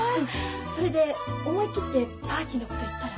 それで思い切ってパーティーのこと言ったら。